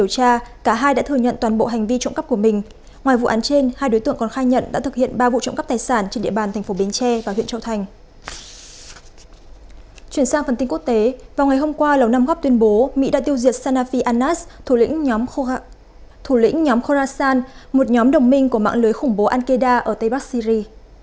chuyển sang phần tin quốc tế vào ngày hôm qua lầu năm góp tuyên bố mỹ đã tiêu diệt sanafi anas thủ lĩnh nhóm khorasan một nhóm đồng minh của mạng lưới khủng bố al qaeda ở tây bắc syri